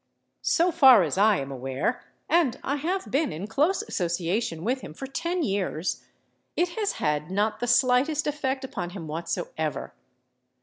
So far as I am aware, and I have been in close association with him for ten years, it has had not the slightest effect upon him whatsoever.